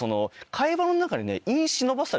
会話の中に。